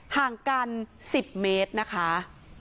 ห่างกัน๑๐เมตรนะคะ